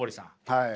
はい。